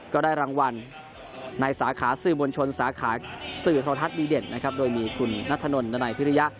ก็ได้รางวัลในสาขาสื่อมวลชนสาขาสื่อโทรทัศน์ดีเด็ดนะครับโดยมีคุณนัทธนนัยพิริยะ